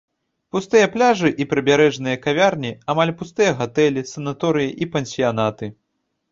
Пустыя пляжы і прыбярэжныя кавярні, амаль пустыя гатэлі, санаторыі і пансіянаты.